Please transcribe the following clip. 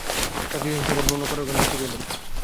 রাত্রিশেষে সবার পাওনা কড়ায় গন্ডায় চুকিয়ে দেব।